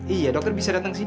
iya dokter bisa datang sini gak